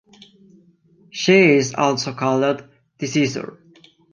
She is also called "the seizer".